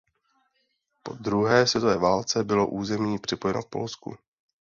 Po druhé světové válce bylo území připojeno k Polsku.